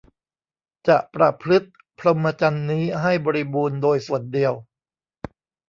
จะประพฤติพรหมจรรย์นี้ให้บริบูรณ์โดยส่วนเดียว